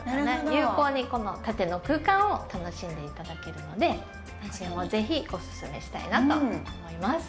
有効にこの縦の空間を楽しんで頂けるので是非おすすめしたいなと思います。